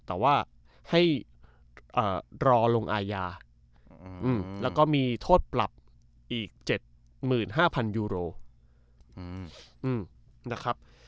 แต่ว่าให้อ่ารอลงอายาอืมแล้วก็มีโทษปรับอีกเจ็ดหมื่นห้าพันยูโรอืมอืมนะครับ